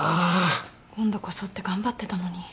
今度こそって頑張ってたのに。